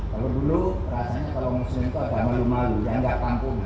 kalau dulu rasanya kalau muslim itu ada malu malu yang tidak panggung